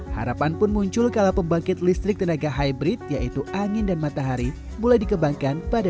harapan pun muncul kalau pembangkit listrik tenaga hybrid yaitu angin dan matahari mulai dikembangkan pada dua ribu tujuh belas